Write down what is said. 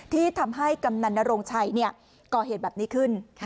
ที่ทำให้กำนันนโรงชัยก่อเหตุแบบนี้ขึ้น